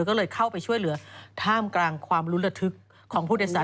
ก็เลยเข้าไปช่วยเหลือท่ามกลางความลุ้นระทึกของผู้โดยสาร